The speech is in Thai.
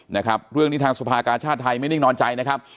นะครับเรื่องนี้ทางสภากาชาติไทยไม่นิ่งนอนใจนะครับ